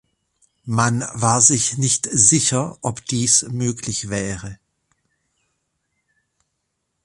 Man war sich nicht sicher, ob dies möglich wäre.